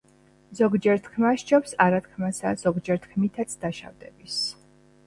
ზოგჯერ თქმა სჯობს არა-თქმასა, ზოგჯერ თქმითაც დაშავდების,